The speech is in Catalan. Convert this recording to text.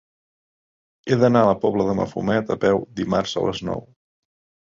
He d'anar a la Pobla de Mafumet a peu dimarts a les nou.